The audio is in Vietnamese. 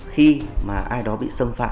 khi mà ai đó bị xâm phạm